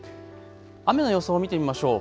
雨の予想を見てみましょう。